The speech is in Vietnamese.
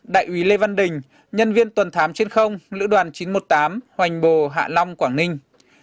đại úy lê văn đình nhân viên tuần thám trên không lữ đoàn chín trăm một mươi tám hoành bồ hạ long quảng ninh